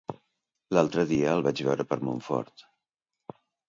L'altre dia el vaig veure per Montfort.